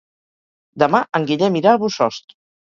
Demà en Guillem irà a Bossòst.